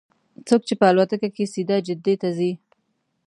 څوک چې په الوتکه کې سیده جدې ته ځي.